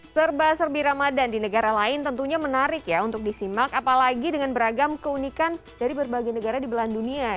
serba serbi ramadan di negara lain tentunya menarik ya untuk disimak apalagi dengan beragam keunikan dari berbagai negara di belahan dunia